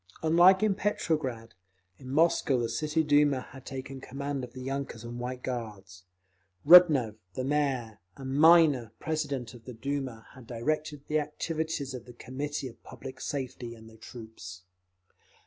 Unlike in Petrograd, in Moscow the City Duma had taken command of the yunkers and White Guards. Rudnev, the Mayor, and Minor, president of the Duma, had directed the activities of the Committee of Public Safety and the troops.